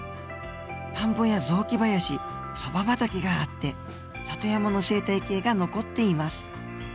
田んぼや雑木林そば畑があって里山の生態系が残っています。